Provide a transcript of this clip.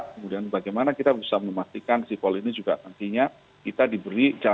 kemudian bagaimana kita bisa memastikan sipol ini juga nantinya kita diberi